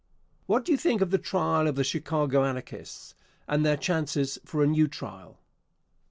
What do you think of the trial of the Chicago Anarchists and their chances for a new trial?